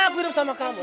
aku hidup sama kamu